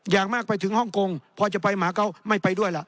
อย่างมากไปถึงฮ่องกงพอจะไปหมาเกาะไม่ไปด้วยล่ะ